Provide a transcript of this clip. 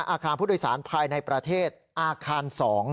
อาคารผู้โดยสารภายในประเทศอาคาร๒